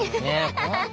ハハハ。